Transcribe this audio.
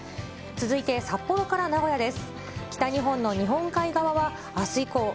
続いて札幌から名古屋です。